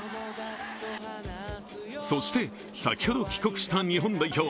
そして、先ほど帰国した日本代表。